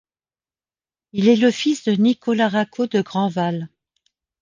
Il est le fils de Nicolas Racot de Grandval.